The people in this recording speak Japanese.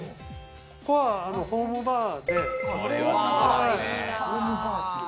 ここはホームバーで。